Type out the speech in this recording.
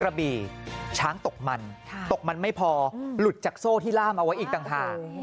กระบี่ช้างตกมันตกมันไม่พอหลุดจากโซ่ที่ล่ามเอาไว้อีกต่างหาก